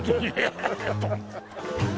ハハハハ！